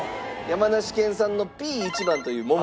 山梨県産のぴ一番という桃。